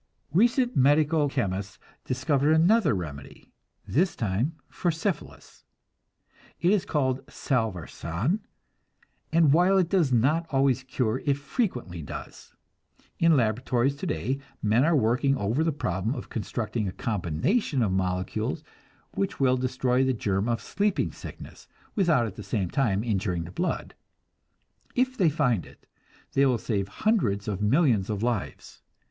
Recently medical chemists discovered another remedy, this time for syphilis. It is called salvarsan, and while it does not always cure, it frequently does. In laboratories today men are working over the problem of constructing a combination of molecules which will destroy the germ of sleeping sickness, without at the same time injuring the blood. If they find it, they will save hundreds of millions of lives.